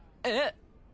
えっ？